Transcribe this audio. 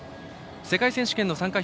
世界選手権の参加